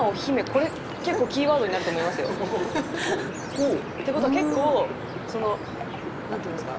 これ結構キーワードになると思いますよ。っていう事は結構なんていうんですか。